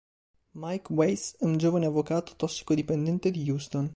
Mike Weiss è un giovane avvocato tossicodipendente di Houston.